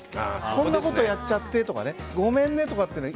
こんなことやっちゃってとかごめんね、とかね。